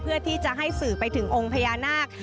เพื่อที่จะให้สื่อไปถึงองค์พญานาค